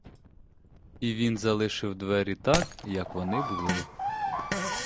І він залишив двері так, як вони були.